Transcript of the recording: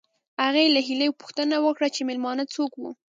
هغې له هیلې پوښتنه وکړه چې مېلمانه څوک وو